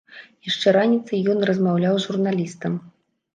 Яшчэ раніцай ён размаўляў з журналістам.